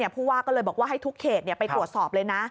ผู้ว่าก็เลยบอกว่าให้ทุกเขตไปตรวจสอบเลยนะ